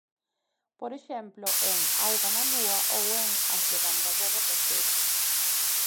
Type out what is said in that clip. Por exemplo en 'auga na lúa' ou en 'as debandadoras de seda'.